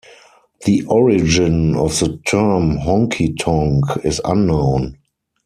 The origin of the term "honky-tonk" is unknown.